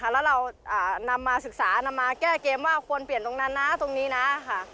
แล้วเรานำมาศึกษานำมาแก้เกมว่าควรเปลี่ยนตรงนั้นนะตรงนี้นะค่ะ